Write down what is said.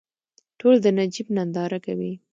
ټول د نجیب ننداره کوي.